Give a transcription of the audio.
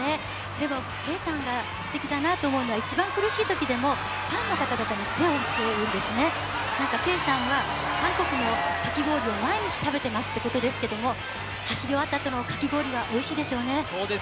Ｋさんがすてきだなと思うのは、一番苦しいなと思うときにもファンの方に手を振っているんですね、Ｋさんは韓国のかき氷を毎日食べていますということですけども、走り終わったあとのかき氷はおいしいでしょうね。